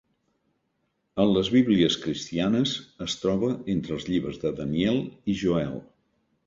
En les bíblies cristianes es troba entre els llibres de Daniel i Joel.